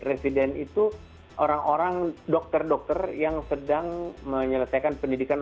resident itu orang orang dokter dokter yang sedang menyelesaikan pendidikan